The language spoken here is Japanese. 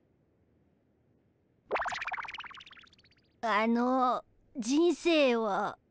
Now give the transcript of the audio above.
あの人生は？